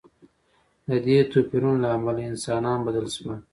د دې توپیرونو له امله انسانان بدل شول.